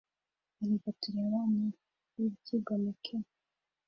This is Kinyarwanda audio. erega turi abana b'ibyigomeke